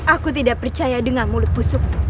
aku tidak percaya dengan mulutmu